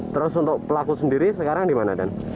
terus untuk pelaku sendiri sekarang di mana dan